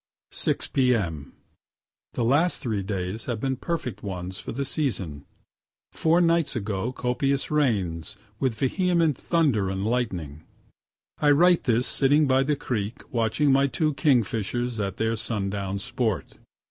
6 p.m. The last three days have been perfect ones for the season, (four nights ago copious rains, with vehement thunder and lightning.) I write this sitting by the creek watching my two kingfishers at their sundown sport.